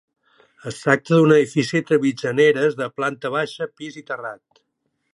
Es tracta d'un edifici entre mitgeres de planta baixa, pis i terrat.